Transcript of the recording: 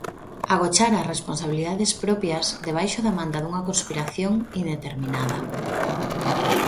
Agochar as responsabilidades propias debaixo da manta dunha conspiración indeterminada.